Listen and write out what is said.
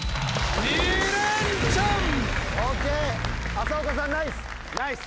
浅岡さんナイス！